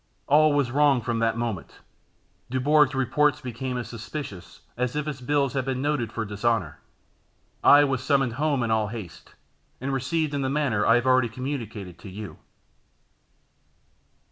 All was wrong from that moment. Dubourg's reports became as suspicious as if his bills had been noted for dishonour. I was summoned home in all haste, and received in the manner I have already communicated to you.